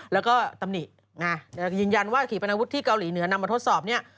แล้วก็ตำหนิยืนยันว่าขี่ปนาวุธที่เกาหลีเหนือนำมาทดสอบเนี่ย